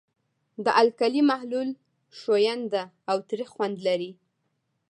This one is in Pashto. د القلي محلول ښوینده او تریخ خوند لري.